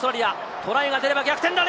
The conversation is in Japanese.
トライが出れば逆転だ！